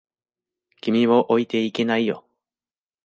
君を置いていけないよ。